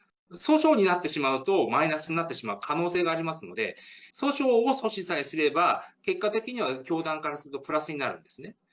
訴訟になってしまうと、マイナスになってしまう可能性がありますので、訴訟を阻止さえすれば、結果的には教団からするとプラスになるんですね。